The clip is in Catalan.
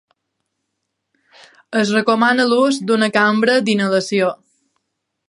Es recomana l'ús d'una cambra d'inhalació.